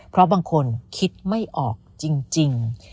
เพราะบางคนคิดไม่ออกจริง